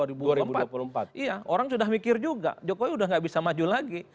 iya orang sudah mikir juga jokowi sudah tidak bisa maju lagi